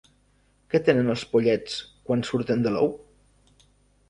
Què tenen els pollets quan surten de l'ou?